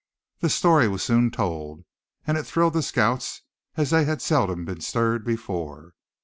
The story was soon told, and it thrilled the scouts as they had seldom been stirred before.